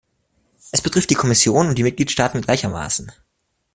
Es betrifft die Kommission und die Mitgliedstaaten gleichermaßen.